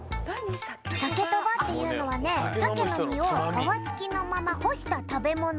サケとばっていうのはねサケの身をかわつきのまま干した食べものだよ。